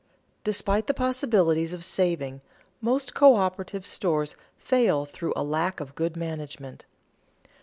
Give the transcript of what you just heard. _Despite the possibilities of saving, most coöperative stores fail through a lack of good management.